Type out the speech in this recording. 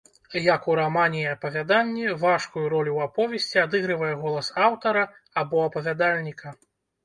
Як ў рамане і апавяданні, важкую ролю ў аповесці адыгрывае голас аўтара або апавядальніка.